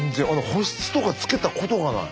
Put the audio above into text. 保湿とかつけたことがない。